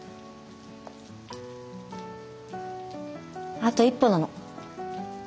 あと一歩なの。